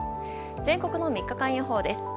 全国の３日間予報です。